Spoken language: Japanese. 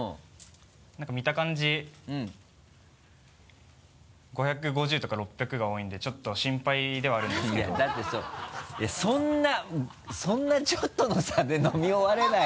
何か見た感じ５５０とか６００が多いんでちょっと心配ではあるんですけどいやだってそんなそんなちょっとの差で飲み終われない。